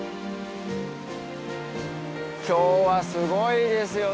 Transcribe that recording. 今日はすごいいいですよね。